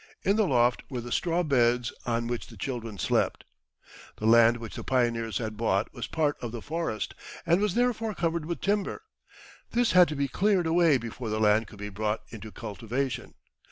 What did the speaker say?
In the loft were the straw beds on which the children slept. The land which the pioneers had bought was part of the forest, and was therefore covered with timber. This had to be cleared away before the land could be brought into cultivation.